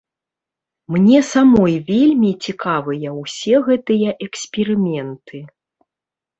Мне самой вельмі цікавыя ўсе гэтыя эксперыменты.